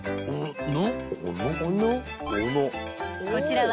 ［こちらは］